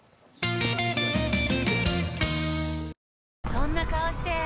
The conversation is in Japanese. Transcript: そんな顔して！